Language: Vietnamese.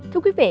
thưa quý vị